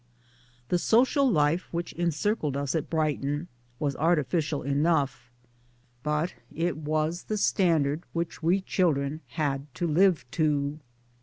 The social life which encircled us at Brighton was artificial enough ; but it was the standard which we children had to live to.